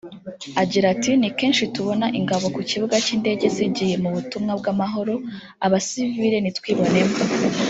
Agira ati “Ni kenshi tubona ingabo ku kibuga cy’indege zigiye mu butumwa bw’amahoro abasiviri ntitwibonemo